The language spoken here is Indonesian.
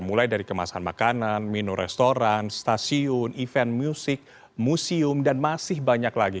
mulai dari kemasan makanan minum restoran stasiun event musik museum dan masih banyak lagi